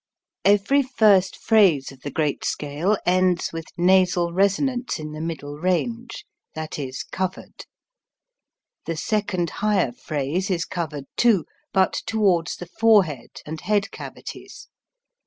Every first phrase of the great scale ends with nasal resonance in the middle range, that is, covered. The second higher phrase is covered too, but towards the forehead and THE GREAT SCALE 245 head cavities.